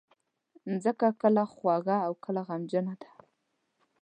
مځکه کله خوږه او کله غمجنه ده.